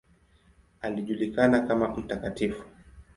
Alijulikana kama ""Mt.